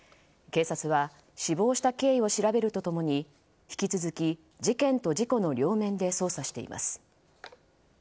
警察は死亡した経緯を調べると共に引き続き事件と事故の両面で捜査しています。